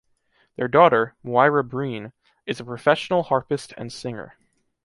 Their daughter, Moira Breen, is a professional harpist and singer.